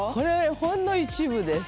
ほんの一部です。